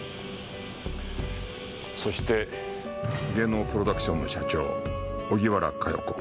そして芸能プロダクションの社長荻原佳代子。